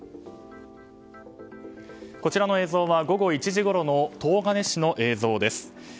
こちらの映像は午後１時ごろの東金市の映像です。